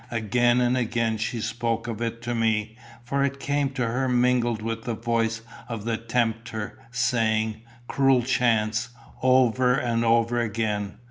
Again and again she spoke of it to me, for it came to her mingled with the voice of the tempter, saying, "Cruel chance," over and over again.